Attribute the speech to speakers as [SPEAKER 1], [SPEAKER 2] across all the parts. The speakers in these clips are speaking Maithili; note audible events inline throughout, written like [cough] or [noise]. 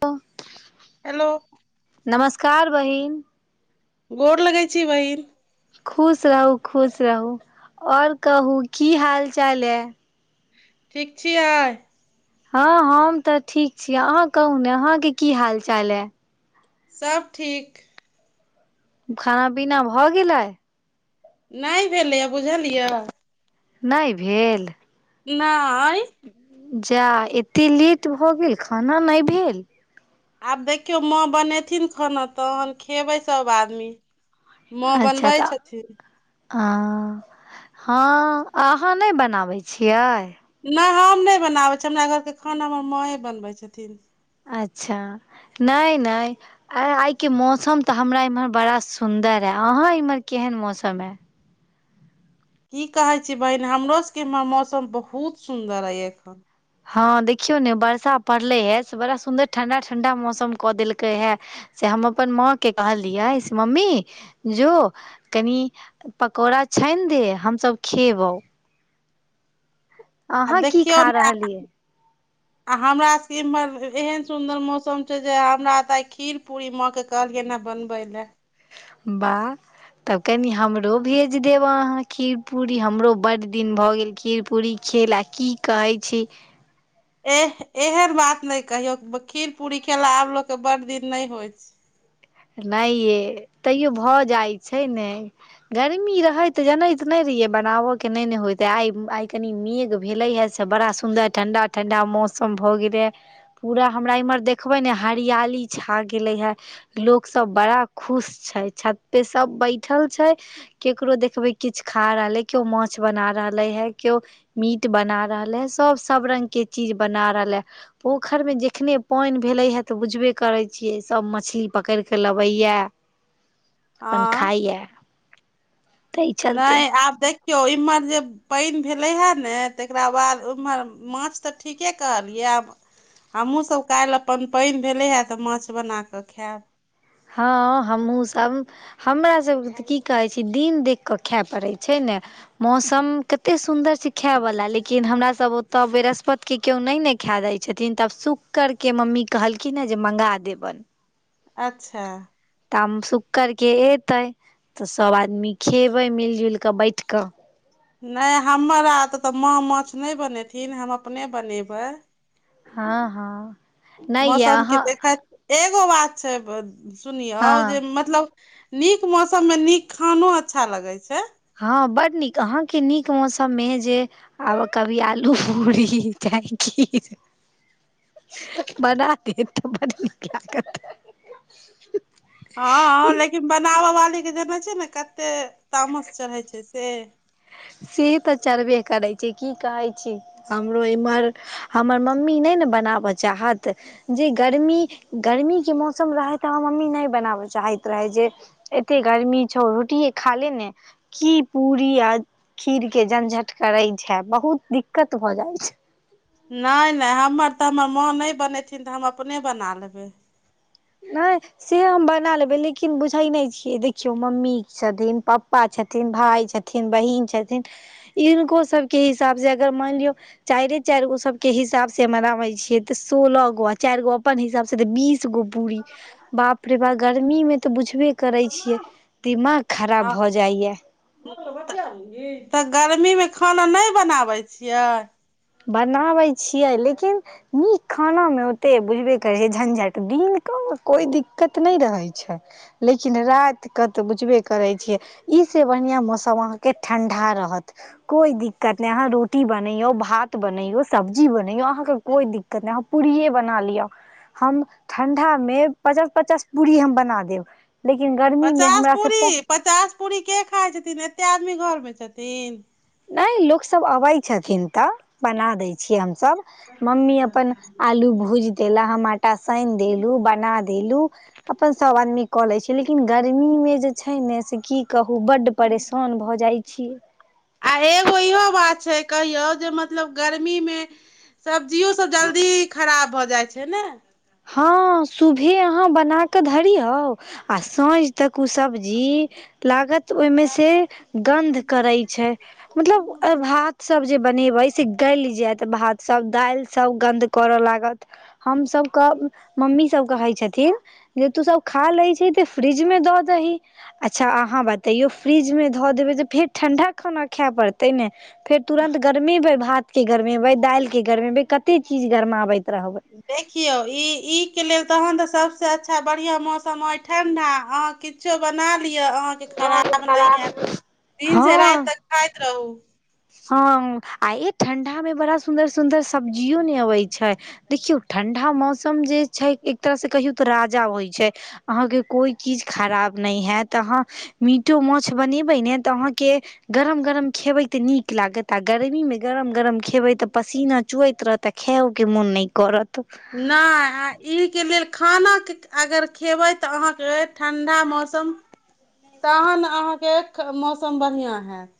[SPEAKER 1] तऽ [inaudible]
[SPEAKER 2] हेलो
[SPEAKER 1] नमस्कार बहिन
[SPEAKER 2] गोर लगै छी बहिन
[SPEAKER 1] खुश रहू खुश रहू और कहूँ की हाल चाल य
[SPEAKER 2] ठीक छियै
[SPEAKER 1] हँ हम तऽ ठीक छी अहाँ कहू ने अहाँके की हाल चाल अइ
[SPEAKER 2] सब ठीक
[SPEAKER 1] खाना पीना भऽ गेलै
[SPEAKER 2] नहि भेलैए बुझलियै
[SPEAKER 1] नै भेल
[SPEAKER 2] नहि
[SPEAKER 1] जा एते लेट भऽ गेल खाना नहि भेल
[SPEAKER 2] आब देखियौ माँ बनेथिन खाना तहन खेबै सभ आदमी माँ
[SPEAKER 1] अच्छा
[SPEAKER 2] बनबै
[SPEAKER 1] तऽ
[SPEAKER 2] छथिन
[SPEAKER 1] ह हँ अहाँ नहि बनाबैत छियै
[SPEAKER 2] नहि हम नहि बनाबैत छी हमरा घरके खाना हमर माँए बनबैत छथिन
[SPEAKER 1] अच्छा नहि नहि आ आइ के मौसम तऽ हमरा इम्हर बड़ा सुन्दर है अहाँ इम्हर केहन मौसम अइ
[SPEAKER 2] की कहै छी बहिन हमरो सके इम्हर मौसम बहुत सुन्दर अइ एखन
[SPEAKER 1] हँ देखियौ ने बर्षा पड़ले हे से बड़ा सुंन्दर ठंडा ठंडा मौसम कऽ देलकै हे से हम अपन माँ के कहलिय से मम्मी जो कनि पकौड़ा छानि दे हमसभ खेबौ
[SPEAKER 2] आ
[SPEAKER 1] अहाँ की खा रहलियै
[SPEAKER 2] आ हमरा सके इम्हर एहेन सुंदर मौसम छै जे हमरा तऽ आइ खीर पूरी माँ के कहलियैन हें बनबैला
[SPEAKER 1] बाह तब कनी हमरो भेज देब अहाँ खीर पूरी हमरो बड्ड दिन भऽ गेल खीर पूरी खेला की कहै छी
[SPEAKER 2] एह एहन बात नहि कहियौ खीर पूरी खेला आब लोग के बड़ दिन नहि होइ छै
[SPEAKER 1] नहि यै तैयो भऽ जाइत छै ने गर्मी रहे त जनैत नहि रहिये बनाबो के नहि ने होयते आइ आइ कनी मेघ भेले हे से बड़ा सुंन्दर ठंडा ठंडा मौसम भ गेले पूरा हमरा इम्हर देखबै ने हरियाली छा गेले हे लोक सब बड़ा खुश छै छते सब बैठल छै केकरो देखबै किछु खा रहल ह केओ माछ बना रहले है केओ मीट बना रहल है सभ सब रंग के चीज बना रहलै पोखरिमे जखने पानि भेलै हे तऽ बुझबे करै छियै सभ मछली पकड़ि कऽ लबैए अपन
[SPEAKER 2] हँ
[SPEAKER 1] खाइए
[SPEAKER 2] नहि आब देखियौ इमहर जे पानि भेलै हए ने तकरा बाद ओम्हर माछ तऽ ठीके कहलियै आब हमहूँ सब काल्हि अपन पइन भेले ऐ तऽ माछ बना कऽ खेले
[SPEAKER 1] हँ हमहूँ सब हमरा सभ के तऽ की कहै छी दिन देख कऽ खे पड़ै छै ने मौसम कते सुन्दर छै खायवला लेकिन हमरा सब ओतय बृहस्पति के केओ नहि ने खा दै छथिन तऽ आब सुकेर क मम्मी कहलखिन हे जे मँगा देबनि
[SPEAKER 2] अच्छा
[SPEAKER 1] ता शुक्करके अयतै तऽ सभ आदमी खेबै मिलि जुलि कऽ बैठ कऽ
[SPEAKER 2] नहि हमर आ तऽ तऽ माँ माछ नहि बनेथिन हम अपने बनेबै
[SPEAKER 1] हँ हँ नहि यऽ
[SPEAKER 2] मौसम के
[SPEAKER 1] अहाँ
[SPEAKER 2] देखत एगो बात छै सुनियौ
[SPEAKER 1] हँ
[SPEAKER 2] जे मतलब नीक मौसममे नीक खानो अच्छा लगै छै
[SPEAKER 1] हँ बड नीक अहाँके नीक मौसममे जे आब कभी आलू पूरी जाकी बना दे तऽ बड निक लागत
[SPEAKER 2] हँ लेकिन बनाबऽ वाली के जनै छियै न कते तामस चढ़ै छै से
[SPEAKER 1] सीढी तऽ चढबे करै छी की कहै छी हमरो इमहर हमर मम्मी नहि ने बनाबऽ चाहत जे गर्मी गर्मीके मौसम रहै तऽ अहाँ मम्मी नहि बनाबय चाहैत रहै जे एते गर्मी छौ रोटिये खा ले ने कि पुरी आ खीर के झंझट करे छै बहुत दिक्कत भऽ जाय छै
[SPEAKER 2] नहि नहि हमर तऽ हमर माँ नहि बनेथिन तऽ हम अपने बना लेबै
[SPEAKER 1] नहि से हम बना लेबे लेकिन बुझै नै छिये देखियो मम्मी छथिन पप्पा छथिन भाय छथिन छथिन बहिन छथिन इनको सभके हिसाबसँ अगर मानि लियौ चाइरे चाइर गो सबके हिसाब से मनाबै छियै तऽ सोलह गो आ चारि गो अपन हिसाब से तऽ बीस गो पूरी बाप रे बाप गर्मी मे तऽ बुझबे करै छियै दिमाग खराब
[SPEAKER 2] हँ
[SPEAKER 1] भऽ जाइए
[SPEAKER 2] तऽ गर्मी मे खाना नै बनाबै छियै
[SPEAKER 1] बनाबै छियै लेकिन नीक खाना मे ओते बुझबे करे झंझट दिन का मे कोइ दिक्कत नहि रहे छै लेकिन राति कऽ तऽ बुझबे करै छियै ई से बढ़िआं मौसम अहाँके ठंडा रहत कोइ दिक्कत नहि अहाँ रोटी बनैयौ भात बनैयो सब्जी बनैयो अहाँके कोइ दिक्कत नहि अहाँ पूड़ियए बना लिअ हम ठण्डा मे पचास पचास पूरी हम बना देब लेकिन गर्मी मे
[SPEAKER 2] पचास
[SPEAKER 1] हमरा स
[SPEAKER 2] पूरी
[SPEAKER 1] पु
[SPEAKER 2] पचास पूरी के खाय छथिन एते आदमी घर मे छथिन
[SPEAKER 1] नै लोक सब अबै छथिन तऽ बना दै छियै हमसभ। मम्मी अपन आलू भूजि देला हम आटा सानि देलू बना देलू अपन सब आनमी क लय छी [unintelligible] लेकिन गर्मी मे जे छै ने से की कहू बड्ड परेशान भऽ जाइ छी
[SPEAKER 2] आ एगो इहो बात छै कहियौ जे मतलब गर्मीमे सब्जियो सब जल्दी खराब भऽ जाइत छै ने
[SPEAKER 1] हँ सुभे अहाँ बनाकऽ धरियउ आ साँझ तक उ सब्जी लागत ओहिमे से गन्ध करे छै मतलब भात सब जे बनेबे से गैल जायत भात सब दालि सब गन्द करऽ लागत हमस मम्मीसभ कहैत छथिन जे तू सब खा लैत छै तऽ फ्रिज मे दऽ दही अच्छा अहाँ बतैयो फ्रिज मे धऽ देबै तऽ फेर ठंडा खाना खायए पड़तै ने फेर तुरन्त गरमेबै भातके गरमेबै दालिके गरमेबै कतेक चीज गरमाबैत रहबै
[SPEAKER 2] देखियौ ई ई के लेल तहन तऽ सबसे अच्छा बढ़ियां मौसम अ ठंडा अहांके किछो बना लिअ अहाँके खराब नहि हेत दिन से रात
[SPEAKER 1] हँ
[SPEAKER 2] तक खाइत रहू
[SPEAKER 1] हँ आ ई ठंडा मे बड़ा सुंदर सुंदर सब्जियो ने अबै छै देखियौ ठण्डा मौसम जे छै एक तरह से कहियौ तऽ राजा होइ छै अहाँके कोइ चीज खराब नहि हैत अहाँ मीटो माछ बनेबै ने तऽ अहाँके गरम गरम खेबै ते नीक लागत आ गर्मी मे गरम गरम खेबे ते पसीना चुवैत रहत आ खायो के मोन न करत
[SPEAKER 2] नहि आ एहिके लेल खाना अगर खेबै तऽ अहाँके ठण्डा मौसम तहन अहाँके मौसम बढ़िआं होयैत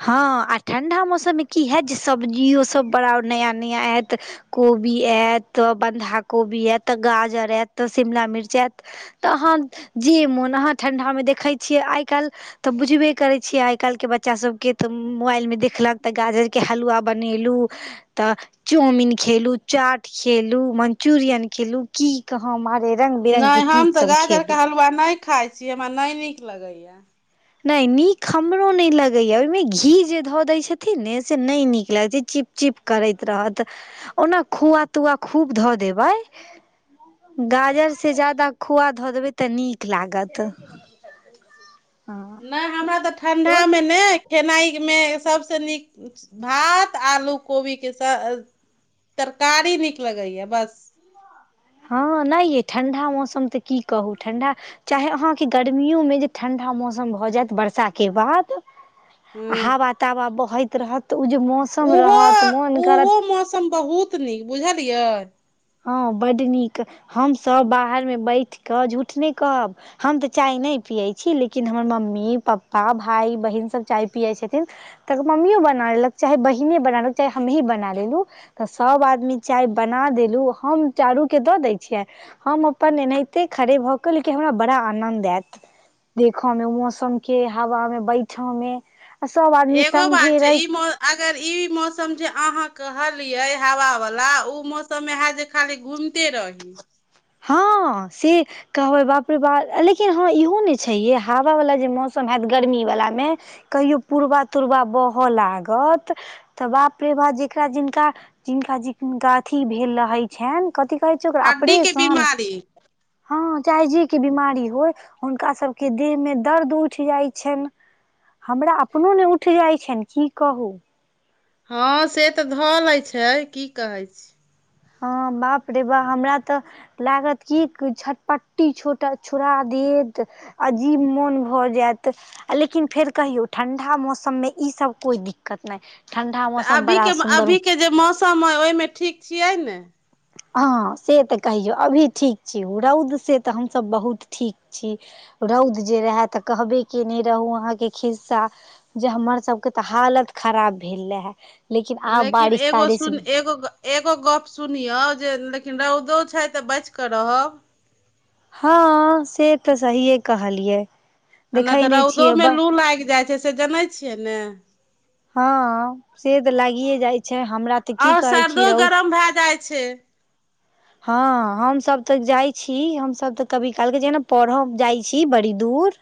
[SPEAKER 1] हँ आ ठण्डा मौसममे की होैत जे सब्जियोसभ बड़ा नया नया आयत कोबी एत त ऽ बन्धा कोबी एत त ऽ गाजर एत त ऽ शिमला मिर्च एत तऽ अहाँ जे मोन अहाँ ठण्ढामे देखैत छियै आइ काल्हि तऽ बुझबे करै छियै आइ काल्हि के बच्चासभ के तऽ मोबाइल मे देखलक तऽ गाजरके हलुवा बनेलहुँ तऽ चाउमिन खेलु चाट खेलु मंचूरियन खेलु की कहा मारे रंग बिरंग के
[SPEAKER 2] नहि
[SPEAKER 1] चीज
[SPEAKER 2] हम तऽ
[SPEAKER 1] सब खेलू
[SPEAKER 2] गाजरके हलुआ नहि खाइत छी हमरा नहि नीक लगैया
[SPEAKER 1] नहि नीक हमरो नहि लगैए ओहिमे घी जे धऽ दैत छथिन ने से नहि नीक लगैत छै चिप चिप करैत रहत ओना खोआ तुआ खूब धऽ देबै गाजर से ज्यादा खोआ धऽ देबै तऽ नीक लागत हँ
[SPEAKER 2] नै हमरा तऽ ठंडा मे ने खेनाइ मे सबसे नीक भात आलू कोबी के तरकारी नीक लगै या बस
[SPEAKER 1] हँ नै यै ठण्डा मौसम तऽ की कहू ठण्डा चाहे अहाँके गर्मियो मे जे ठंडा मौसम भऽ जायत बर् षा के बाद
[SPEAKER 2] हूँ
[SPEAKER 1] हवा तावा बहैत रहत त ओ जे मौस
[SPEAKER 2] ओहो ओहो मौसम बहुत नीक बुझलियै
[SPEAKER 1] हँ बड नीक हमसभ बाहर मे बैठ कऽ झूठ नहि कहब हम तऽ चाय नहि पियैत छी लेकिन हमर मम्मी पप्पा भाय बहिनसभ चाय पियैत छथिन तकर मम्मियो बना लेलक चाहे बहिने बना लेलक चाहे हमही बना लेलु तऽ सभ आदमी चाय बना देलहुँ हम चारूके दऽ दै छियै हम अपन एनाहिते खड़े भऽ कऽ लेकिन हमरा बड़ा आनन्द आयत देखऽ मे मौसम के हवा मे बैठऽ मे आ सब आदमी
[SPEAKER 2] एगो
[SPEAKER 1] संघे
[SPEAKER 2] बात छै
[SPEAKER 1] रै
[SPEAKER 2] ई अगर इ मौसम जे अहाॅं कहलियै हावा वला उ मौसम मे ह जे खाली घूमते रही
[SPEAKER 1] हँ से कहबै बाप रे बा लेकिन हँ इहो नय छै ए हवावला जे मौसम हैत गर्मीवला मे कहियो पुरबा तुुरबा बहय लागत तऽ बाप रे बा जकरा जिनका जिनका जिनका अथि भेल रहै छैन कथि कहै छै ओकरा आ
[SPEAKER 2] हड्डी
[SPEAKER 1] प्रेस
[SPEAKER 2] के बीमारी
[SPEAKER 1] हँ चाहे जे के बीमारी होय हुनका सभके देह मे दर्द उठ जाइ छैन हमरा अपनो ने उठि जाइत छनि की कहू
[SPEAKER 2] हॅं से तऽ धऽ लै छै की कहै छी
[SPEAKER 1] हँ बाप रे बा हमरा तऽ लागत की झटपट्टी छोटा छुरा देत अजीब मन भऽ जायत आ लेकिन फेर कहियौ ठंडा मौसम मे ई सब कोइ दिक्कत नहि ठण्डा
[SPEAKER 2] तऽ
[SPEAKER 1] मौसम
[SPEAKER 2] अभी
[SPEAKER 1] बड़ा
[SPEAKER 2] के
[SPEAKER 1] सुन्दर
[SPEAKER 2] अभी के जे मौसम अए ओहिमे ठीक छियै ने
[SPEAKER 1] हँ से तऽ कहियो अभी ठीक छी रौद से तऽ हमसभ बहुत ठीक छी रौद जे रहय तऽ कहबे केने रहू अहाँके खिस्सा जे हमर सबके तऽ हालत खराब भेल रहे लेकिन आब बारिश
[SPEAKER 2] एगो
[SPEAKER 1] तारिश
[SPEAKER 2] सुन एगो एगो गप सुनियौ जे लेकिन रौदो छै तऽ बचिकऽ रहब
[SPEAKER 1] हँ से तऽ सहिए कहलियै
[SPEAKER 2] आ नय
[SPEAKER 1] देखै
[SPEAKER 2] तऽ
[SPEAKER 1] नहि छियै
[SPEAKER 2] रौदोमे
[SPEAKER 1] ब
[SPEAKER 2] लू लाईग जाइ छै से जनै छियै ने
[SPEAKER 1] हँ से तऽ लागिए जाइ छै हमरा तऽ की
[SPEAKER 2] आओर
[SPEAKER 1] कहै छी
[SPEAKER 2] सर्दो
[SPEAKER 1] रौद
[SPEAKER 2] गरम भए जाइ छै
[SPEAKER 1] हँ हमसभ तऽ जाइ छी हमसभ तऽ कभी काल के जेना पढ़ब जाइ छी बड़ी दूर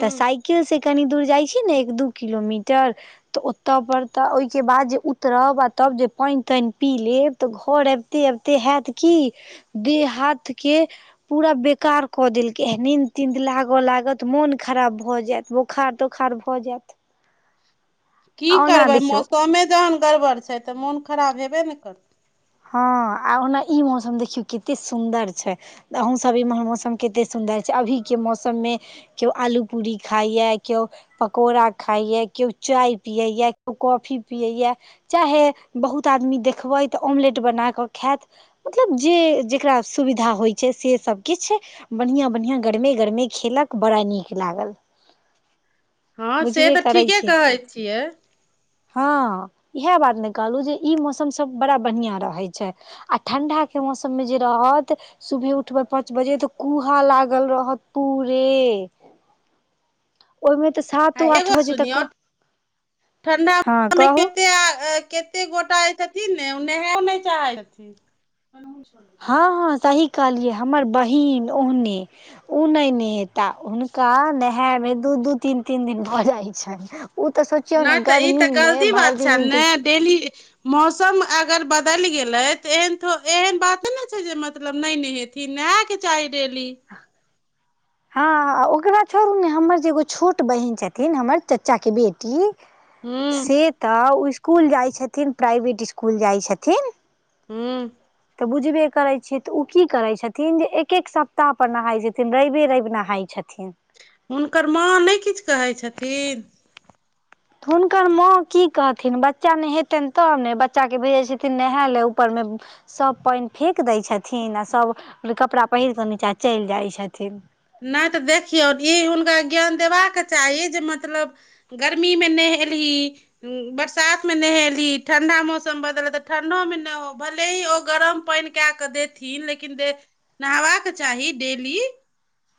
[SPEAKER 1] तऽ साइकिल से कनी दूर जाइ छी ने एक दू किलोमीटर तऽ ओतऽ पर तऽ ओहिके बाद जे उतरब आ तब जे पानि तानि पी लेब तऽ घर अबिते अबिते हयत की देह हाथ के पूरा बेकार कऽ देलकै निन्द तीन्द लागऽ लागत मोन खराब भऽ जायत बोखार तोखार भऽ जायत
[SPEAKER 2] की
[SPEAKER 1] आ ओना
[SPEAKER 2] करबै
[SPEAKER 1] देखियौ
[SPEAKER 2] मौसमे जहन गड़बड़ छै तऽ मोन खराब हेबे ने करत
[SPEAKER 1] हँ आ ओना ई मौसम देखियौ केते सुन्दर छै त अहूँसभ इम्हर मौसम कतेक सुन्दर छै अभीके मौसममे केओ आलू पूरी खाइय केओ पकोड़ा खाइयै केओ चाय पियै या केओ कॉफी पियै या चाहे बहुत आदमी देखबै तऽ ऑमलेट बना कऽ खैत मतलब जे जेकरा सुविधा होइ छै से सभ किछ बनिआँ बनिआँ गरमे गरमे खेलक बड़ा नीक लागल
[SPEAKER 2] हँ से
[SPEAKER 1] बुझबे
[SPEAKER 2] तऽ
[SPEAKER 1] करै
[SPEAKER 2] ठीके
[SPEAKER 1] छियै
[SPEAKER 2] कहै छियै
[SPEAKER 1] हँ इहे बात ने कहलहु जे इ मौसम सब बड़ा बढ़िया रहे छै आ ठण्डा के मौसम मे जे रहत सुबहे उठबै पााँच बजे तऽ कुहा लागल रहत पूरे ओईमे
[SPEAKER 2] आ एगो सुनियथ ठंडा
[SPEAKER 1] हँ
[SPEAKER 2] [inaudible]
[SPEAKER 1] कहू
[SPEAKER 2] एते आ अ के कते गोटा जे छथिन ने ओ नहे नहि चाहै छथिन
[SPEAKER 1] हँ हँ सही कहलियै हमर बहिन ओहने ओ नय नहेता हुनका नहाय मे दू दू तीन तीन दिन भऽ जाइ छैन ओ तऽ सोचियौ ने
[SPEAKER 2] नहि तऽ ई तऽ
[SPEAKER 1] गर्मीमे
[SPEAKER 2] गलती बात
[SPEAKER 1] भरि
[SPEAKER 2] छै
[SPEAKER 1] दिन
[SPEAKER 2] ने डेली मौसम अगर बदलि गेलै तऽ एहन एहन बाते ने छै जे मतलब नहि नेहेतै थीन नहे के चाही डेली
[SPEAKER 1] आ हँ ओकरा छोड़ू ने हमर जे एगो छोट बहिन छथिन हमर चाचा के बेटी
[SPEAKER 2] हूँ
[SPEAKER 1] से तऽ इसकुल जाइ छथिन प्राइवेट इसकुल जाइ छथिन
[SPEAKER 2] हूं
[SPEAKER 1] तऽ बुझबे करै छियै तऽ ओ की करे छथिन जे एक एक सप्ताह पर नहाय छथिन रइवे रईव नहाय छथिन
[SPEAKER 2] हुनकर माँ नय किछ कहै छथिन
[SPEAKER 1] तऽ हुनकर माँ की कहथिन बच्चा नेहेतनि तब ने बच्चाके भेजैत छथिन नहाय लए ऊपरमे सभ पानि फेेक दै छथिन आ सभ कपड़ा पहिर कऽ नीचाँ चलि जाइ छथिन
[SPEAKER 2] नय तऽ देखियौ ई हुनका ज्ञान देबाक चाही जे मतलब गर्मी में नेहेलही बरसात मे नहेलही ठंडा मौसम बदल तऽ ठंडोमे न हो भले ही ओ गरम पाईन कए कऽ देथिन लेकिन दे नहबाक चाही डेली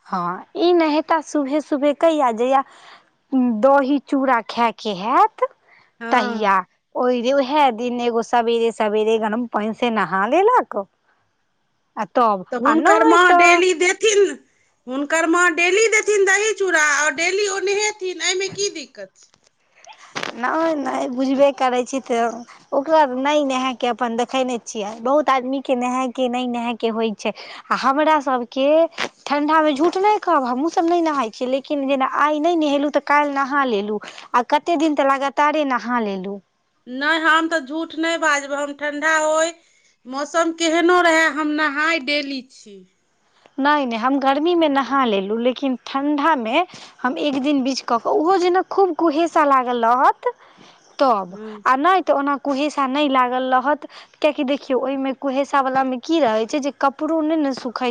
[SPEAKER 1] हँ ई नहेता सुभे सुबे कहिया जहिया दही चूड़ा खायके हेत
[SPEAKER 2] हँ
[SPEAKER 1] तहिया ओय रे ओहै दिन एगो सवेरे सवेरे गरम पाईन से नहा लेलक आ तब
[SPEAKER 2] तऽ
[SPEAKER 1] आ
[SPEAKER 2] हुनकर
[SPEAKER 1] नहि
[SPEAKER 2] माँ
[SPEAKER 1] तऽ
[SPEAKER 2] डेली देथिन हुनकर माँ डेली देथिन दही चूड़ा और डेली ओ नहेथिन एहिमे की दिक्कत छै
[SPEAKER 1] नय नय बुझबे करै छी तऽ ओकरा नय नहा के अपन देख खै ने छियै बहुत आदमीके नहायके नहि नहायके होइ छै आ हमरा सब के ठंडा मे झूठ नहि कहब हमहूँ सब नहि नहाय छियै लेकिन किन जेना आइ नय नहेलु तऽ काल्हि नहा लेलु आ कते दिन तऽ लगातारे नहा लेलु
[SPEAKER 2] नय हम तऽ झूठ नय बाजब हम ठंडा होइ मौसम केहनो रहै हम नहाय डेली छी
[SPEAKER 1] नहि नहि हम गर्मीमे नहा लेलहुँ लेकिन ठण्डामे हम एक दिन बीच कऽ क ओहो जेना खूब कुहेसा लागल रहत त तब
[SPEAKER 2] हँ
[SPEAKER 1] आ नय तऽ ओना कुहेसा नय लागल रहत कियाकि देखियो ओहि में कुहेसा वाला मे की रहे छै जे कपड़ो नै ने सुखई छै